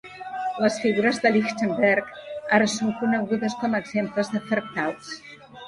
Les figures de Lichtenberg ara són conegudes com exemples de fractals.